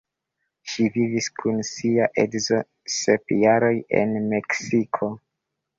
Ŝi vivis kun sia edzo sep jaroj en Meksiko.